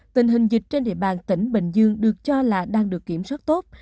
tình hình dịch trên địa bàn tỉnh bình dương được cho là đang được kiểm soát tốt